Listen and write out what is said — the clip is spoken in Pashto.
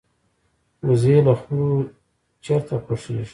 وزې له خپلو چرته خوښيږي